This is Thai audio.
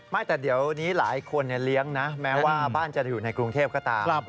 ไม่แต่เดี๋ยวนี้หลายคนเลี้ยงนะแม้ว่าบ้านจะอยู่ในกรุงเทพก็ตาม